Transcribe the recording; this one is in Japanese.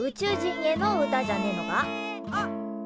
あっ。